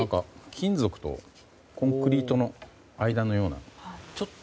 金属とコンクリートの間のような。